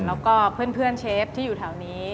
แล้วก็เพื่อนเชฟที่อยู่แถวนี้